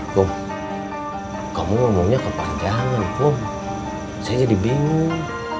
pung kamu ngomongnya kepanjangan pung saya jadi bingung